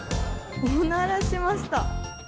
おならしました。